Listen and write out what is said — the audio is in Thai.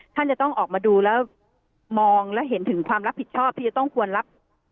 ท่านจะต้องออกมาดูแล้วมองและเห็นถึงความรับผิดชอบที่จะต้องควรรับ